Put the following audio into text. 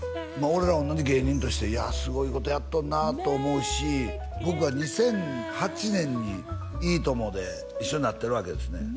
俺ら同じ芸人としていやすごいことやっとるなと思うし僕は２００８年に「いいとも！」で一緒になってるわけですね